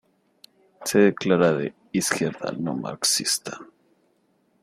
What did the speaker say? Se declara de izquierda no marxista.